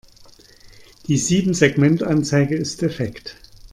Die Siebensegmentanzeige ist defekt.